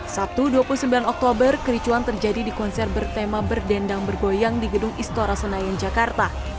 sabtu dua puluh sembilan oktober kericuan terjadi di konser bertema berdendang bergoyang di gedung istora senayan jakarta